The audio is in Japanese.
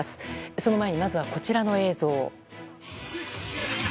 その前にまずはこちらの映像。